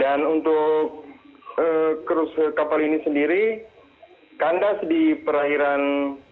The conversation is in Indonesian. dan untuk kerusuh kapal ini sendiri kandas di perairan